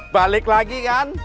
balik lagi kan